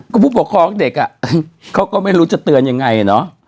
ก็ผู้ปกครองเด็กอ่ะเขาก็ไม่รู้จะเตือนยังไงเนอะ